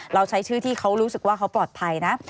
เราใช้ชื่อที่เขารู้สึกว่าเขาปลอดภัยนะ